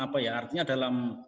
apa ya artinya dalam